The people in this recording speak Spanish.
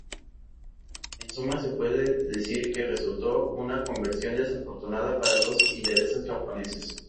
En suma se puede decir que resultó una conversión desafortunada para los intereses japoneses.